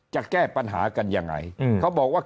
จะแก้ปัญหากันยังไงเขาบอกว่า